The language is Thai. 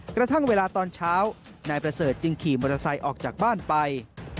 กระทั่งเวลาตอนเช้านายประเสริฐจึงขี่มอเตอร์ไซค์ออกจากบ้านไป